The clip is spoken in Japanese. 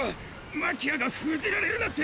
マキアが封じられるなんて！